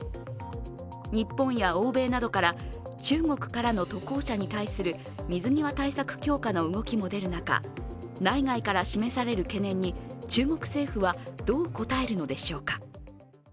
日本や欧米などから中国からの渡航者に対する水際対策強化の動きも出る中、内外から示される懸念に中国政府はどう応えるのでしょうか。